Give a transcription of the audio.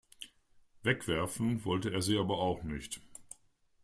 Wegwerfen wollte er sie aber auch nicht.